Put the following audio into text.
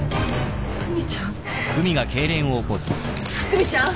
久美ちゃん！